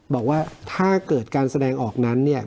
บอกว่าถ้าเกิดการแสดงออกนั้น